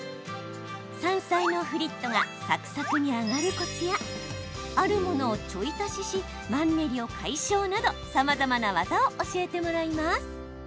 山菜のフリットがサクサクに揚がるコツやあるものをちょい足ししマンネリを解消などさまざまな技を教えてもらいます。